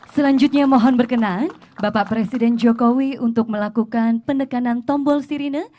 selanjutnya mohon berkenan bapak presiden jokowi untuk melakukan penekanan tombol sirine